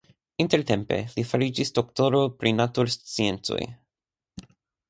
Intertempe li fariĝis doktoro pri natursciencoj.